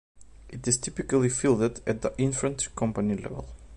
It is typically fielded at the infantry company level.